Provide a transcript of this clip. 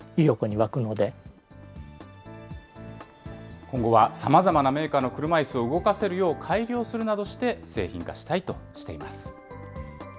今後はさまざまなメーカーの車いすを動かせるよう改良するなどして、製品化したいとしています。